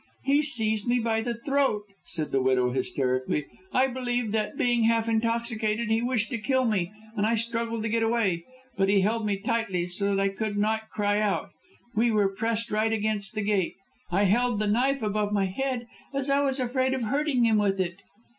"He seized me by the throat," said the widow, hysterically. "I believe that, being half intoxicated, he wished to kill me, and I struggled to get away. But he held me tightly, so that I could not cry out. We were pressed right against the gate. I held the knife above my head, as I was afraid of hurting him with it."